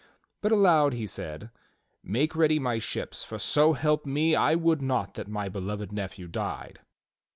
But aloud he said: "jMake ready my ships, for so help me, I would not that my beloved nephew died."